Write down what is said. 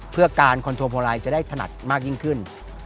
เพื่อการคอนโทรโพลัยจะได้ถนัดมากยิ่งขึ้น